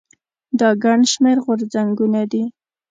دا ګڼ شمېر غورځنګونه دي.